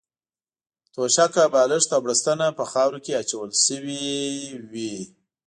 توشکه، بالښت او بړستنه په خاورو کې اچول شوې وې.